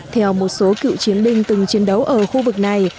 theo một số cựu chiến binh từng chiến đấu ở khu vực này